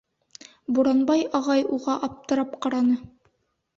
Буранбай ағай уға аптырап ҡараны: